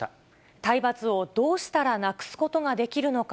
体罰をどうしたらなくすことができるのか。